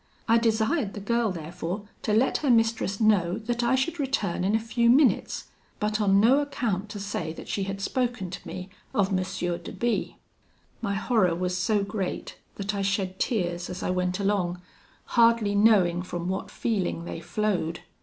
I desired the girl, therefore, to let her mistress know that I should return in a few minutes, but on no account to say that she had spoken to me of M. de B . "My horror was so great, that I shed tears as I went along, hardly knowing from what feeling they flowed.